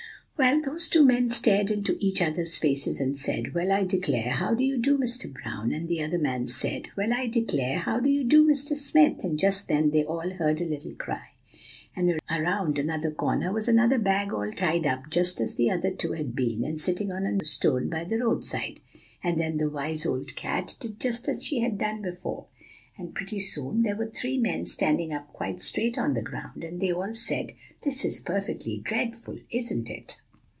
"Well, those two men stared into each other's faces; and one said, 'Well, I declare, how do you do, Mr. Brown?' and the other man said, 'Well, I declare, how do you do, Mr. Smith?' And just then they all heard a little cry; and around another corner was another bag all tied up just as the other two had been, and sitting on a stone by the roadside. And then the wise old cat did just as she had done before; and pretty soon there were three men standing up quite straight on the ground, and they all said, 'This is perfectly dreadful, isn't it?